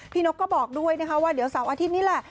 นกก็บอกด้วยนะคะว่าเดี๋ยวเสาร์อาทิตย์นี้แหละ